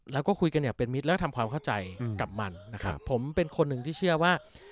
แล้วก็คุยกันอย่างเป็นมิตรแล้วก็ทำความเข้าใจกับมันนะครับผมเป็นคนหนึ่งที่เชื่อว่า